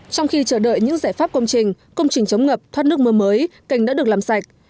trong khi chờ đợi những giải pháp công trình công trình chống ngập thoát nước mưa mới kênh đã được làm sạch